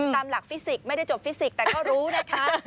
ตามหลักฟิสิกส์ไม่ได้จบฟิสิกส์แต่ก็รู้นะคะ